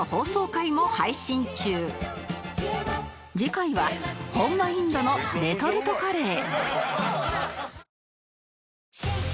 次回は本場インドのレトルトカレー